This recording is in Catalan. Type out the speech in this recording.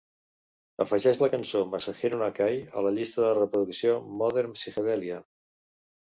afegeix la cançó Masahiro Nakai a la llista de reproducció "Modern Psychedelia"